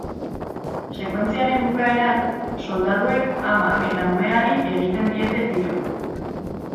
Sekuentziaren bukaeran, soldaduek ama eta umeari egiten diete tiro.